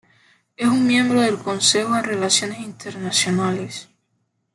Es una miembro del Consejo en Relaciones Internacionales.